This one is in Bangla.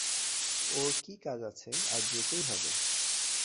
ওঁর কি কাজ আছে, আজই যেতে হবে।